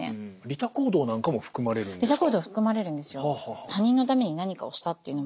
利他行動含まれるんですよ。